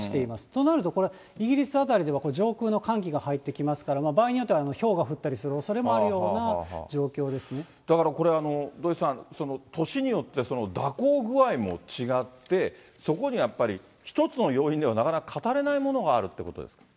となると、これ、イギリス辺りでは上空の寒気が入ってきますから、場合によってはひょうが降ったりするようなおそれもあるような状だから、これ、土井さん、年によって蛇行具合も違って、そこにはやっぱり一つの要因では、なかなか語れないものがあるってことですか。